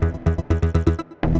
nah yang bekas ini